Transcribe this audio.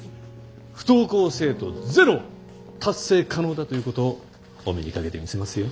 不登校生徒ゼロ達成可能だということをお目にかけてみせますよ。